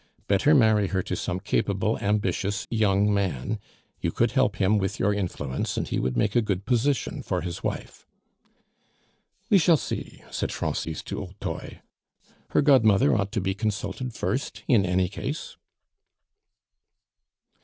"Better marry her to some capable, ambitious young man; you could help him with your influence, and he would make a good position for his wife." "We shall see," said Francis du Hautoy; "her godmother ought to be consulted first, in any case."